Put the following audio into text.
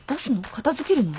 片付けるのに？